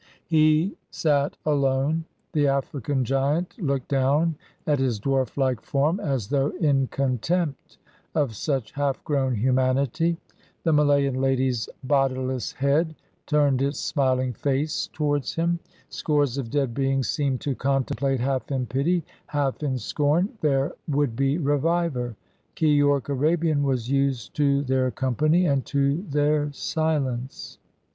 He sat alone. The African giant looked down at his dwarf like form as though in contempt of such half grown humanity; the Malayan lady's bodiless head turned its smiling face towards him; scores of dead beings seemed to contemplate half in pity, half in scorn, their would be reviver. Keyork Arabian was used to their company and to their silence.